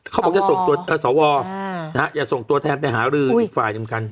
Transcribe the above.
เขาบอกจะส่งตัวเอ่อส่อวออ่านะฮะอย่าส่งตัวแทนไปหารืออีกฝ่ายเหมือนกัน